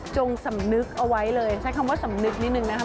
สำนึกเอาไว้เลยใช้คำว่าสำนึกนิดนึงนะคะ